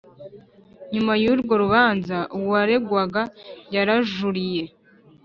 Nyuma yurwo rubanza uwaregwaga yarajuriye